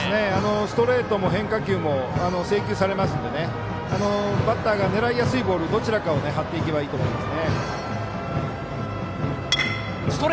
ストレートも変化球も制球されますのでバッターが狙いやすいボールどちらかを張っていけばいいと思います。